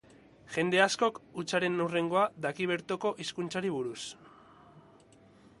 Jende askok hutsaren hurrengoa daki bertoko hizkuntzari buruz.